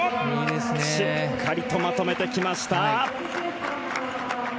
しっかりとまとめてきました。